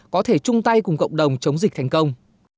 có thể chung tay cùng cộng đồng chống dịch thành công